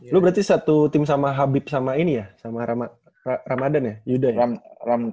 lu berarti satu tim sama habib sama ini ya sama ramadhan ya yuda ya